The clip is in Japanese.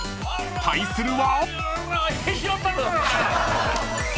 ［対するは］